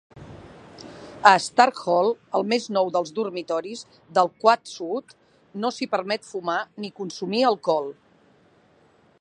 A Stark Hall, el més nou dels dormitoris del Quad Sud, no s'hi permet fumar ni consumir alcohol.